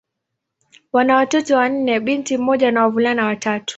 Wana watoto wanne: binti mmoja na wavulana watatu.